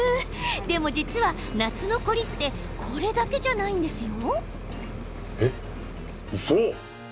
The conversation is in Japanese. でも、実は夏の凝りってこれだけじゃないんですよ。